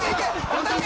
おたけ！